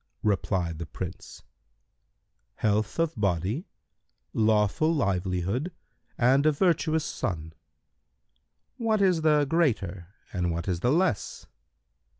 Replied the Prince, "Health of body, lawful livelihood and a virtuous son." Q "What is the greater and what is the less?"